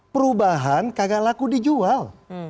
perubahan kagak laku dijual